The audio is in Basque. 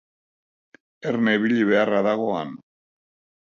Erne ibili beharra dago han.